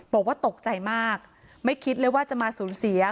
บอกว่าตกใจมากไม่คิดเลยว่าจะมาสูญเสีย